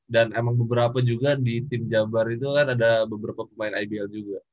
dan emang beberapa juga di tim jabar itu kan ada beberapa pemain ibl juga